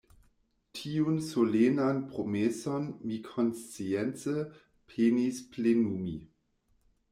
Tiun solenan promeson mi konscience penis plenumi.